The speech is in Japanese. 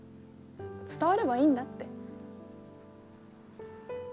伝わればいいんだって。